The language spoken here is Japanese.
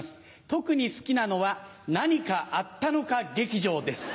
特に好きなのは何かあったのか劇場です。